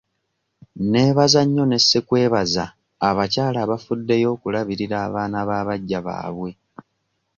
Neebaza nnyo ne ssekwebaza abakyala abafuddeyo okulabirira abaana ba baggya baabwe.